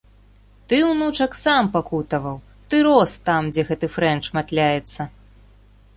Ты, унучак, сам пакутаваў, ты рос там, дзе гэты фрэнч матляецца.